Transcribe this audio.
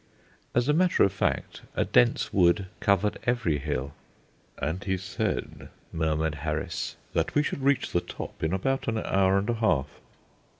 As a matter of fact, a dense wood covered every hill. "And he said," murmured Harris, "that we should reach the top in about an hour and a half."